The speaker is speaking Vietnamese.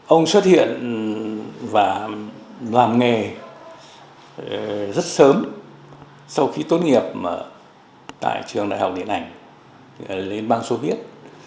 ông xuất hiện và làm nghề rất sớm sau khi tốt nghiệp tại trường đại học điện ảnh lên bang soviet